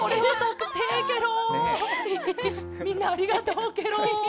みんなありがとうケロ。